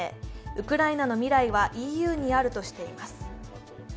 ウクライナの未来はＥＵにあるとしています。